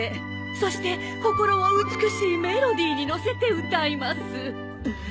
そして心を美しいメロディーに乗せて歌います。